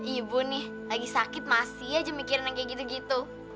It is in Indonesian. ibu nih lagi sakit masih aja mikirin yang kayak gitu gitu